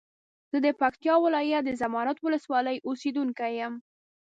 زه د پکتیا ولایت د زرمت ولسوالی اوسیدونکی یم.